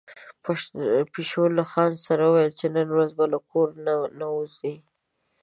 پيشو له ځان سره ویل چې نن ورځ به له کور څخه نه وځي.